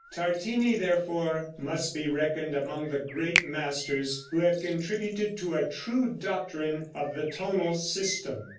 Tartini, therefore, must be reckoned among the great masters who have contributed to a true doctrine of the tonal system.